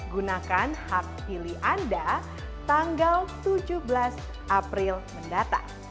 gunakan hak pilih anda tanggal tujuh belas april mendatang